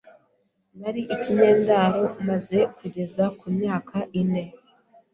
nari ikinyendaro maze kugeza ku myaka ine